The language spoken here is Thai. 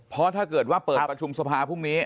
เพราะถ้าเกิดว่าเปิดประชุมสภาพรุ่งนี้